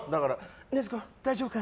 禰豆子、大丈夫か？